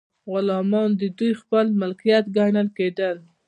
غلامان د دوی خپل مالکیت ګڼل کیدل.